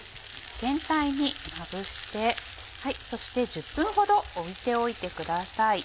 全体にまぶしてそして１０分ほど置いておいてください。